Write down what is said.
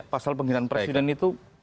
pasal penggunaan presiden itu